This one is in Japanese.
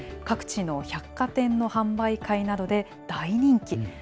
各地の百貨店の販売会などで大人気。